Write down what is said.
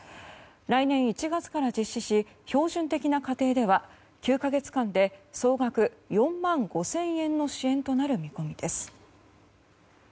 来年１月から実施し標準的な家庭では９か月間で総額４万５０００円の支援となる見込みです。